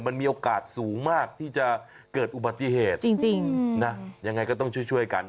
มันมีโอกาสสูงมากที่จะเกิดอุบัติเหตุจริงนะยังไงก็ต้องช่วยช่วยกัน